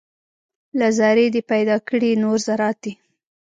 له ذرې دې پیدا کړي نور ذرات دي